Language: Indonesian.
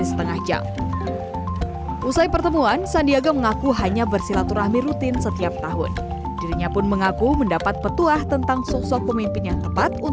itu satu hal yang ingin diadakan saya sampaikan kepada teman teman pimpinan